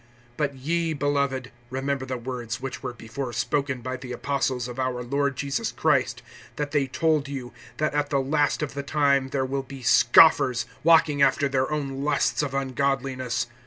(17)But ye, beloved, remember the words which were before spoken by the apostles of our Lord Jesus Christ; (18)that they told you, that at the last of the time there will be scoffers, walking after their own lusts of ungodliness.